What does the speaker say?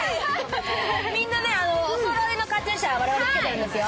みんなおそろいのカチューシャをつけてるんですよ。